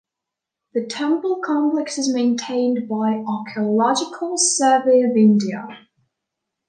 The temple complex is maintained by Archaeological Survey of India.